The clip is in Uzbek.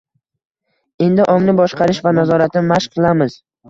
Endi ongni boshqarish va nazoratni mashq qilamiz…